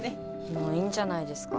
もういいんじゃないですか？